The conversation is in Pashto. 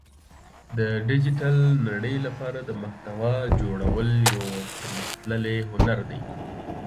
د ډیجیټل نړۍ لپاره د محتوا جوړول یو پرمختللی هنر دی